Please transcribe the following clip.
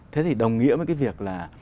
thế thì đồng nghĩa với cái việc là